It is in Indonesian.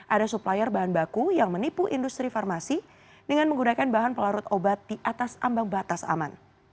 ada supplier bahan baku yang menipu industri farmasi dengan menggunakan bahan pelarut obat di atas ambang batas aman